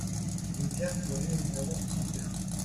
Rue Pierre Fleury au numéro soixante et un